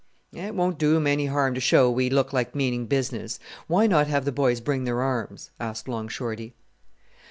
"It won't do 'em any harm to show we look like meaning business. Why not have the boys bring their arms?" asked Long Shorty.